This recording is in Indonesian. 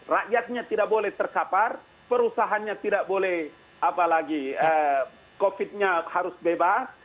rakyatnya tidak boleh terkapar perusahaannya tidak boleh apalagi covid nya harus bebas